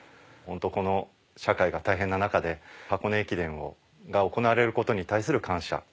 ホントこの社会が大変な中で箱根駅伝が行われることに対する感謝